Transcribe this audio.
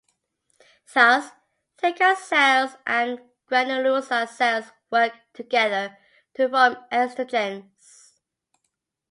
Thus, theca cells and granulosa cells work together to form estrogens.